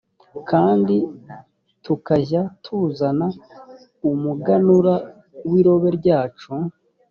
kandi tukajya tuzana umuganura w’irobe ryacu